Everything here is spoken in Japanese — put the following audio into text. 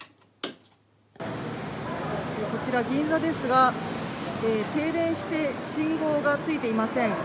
こちら、銀座ですが、停電して、信号がついていません。